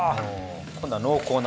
今度は濃厚な。